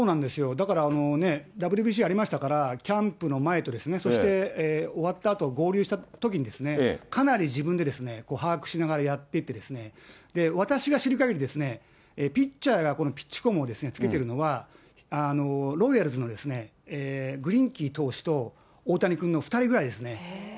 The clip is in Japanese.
だから、ＷＢＣありましたから、キャンプの前とですね、そして終わったあと、合流したときに、かなり自分で把握しながら、やっていって、私が知るかぎりですね、ピッチャーがこのピッチコムをつけてるのは、ロイヤルズのですね、グリーンキー投手と大谷君の２人くらいですね。